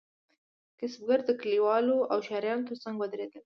کسبګر د کلیوالو او ښاریانو ترڅنګ ودریدل.